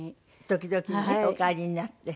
時々ねお帰りになって。